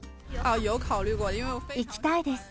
行きたいです。